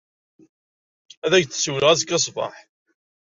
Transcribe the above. Ad ak-d-siwleɣ azekka ṣṣbeḥ.